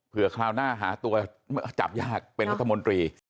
เพื่อคราวหน้าหาตัวจับยากเป็นรัฐมนตรี